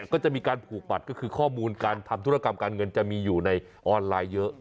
ก็จะมีการผูกบัตรก็คือข้อมูลการทำธุรกรรมการเงินจะมีอยู่ในออนไลน์เยอะ